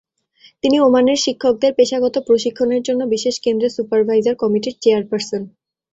তিনি ওমানের শিক্ষকদের পেশাগত প্রশিক্ষণের জন্য বিশেষ কেন্দ্রের সুপারভাইজার কমিটির চেয়ারপার্সন।